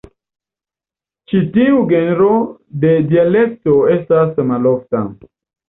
Ĉi tiu genro de dialekto estas malofta.